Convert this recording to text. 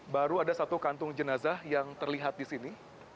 baru ada satu kantung jenazah yang terlihat di sini